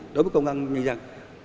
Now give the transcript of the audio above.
đối với công an nhân dân